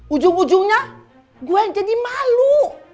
ujung ujungnya gue yang jadi malu